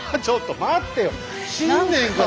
ちょっと待ってよ。